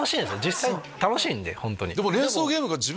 実際楽しいんで本当に。